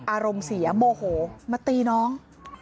อารมณ์เสียโมโหมาตีน้อง